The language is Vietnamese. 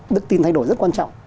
đức tin thay đổi rất quan trọng